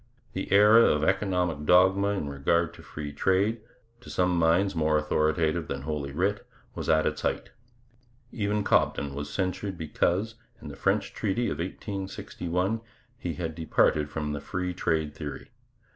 The era of economic dogma in regard to free trade, to some minds more authoritative than Holy Writ, was at its height. Even Cobden was censured because, in the French treaty of 1861, he had departed from the free trade theory.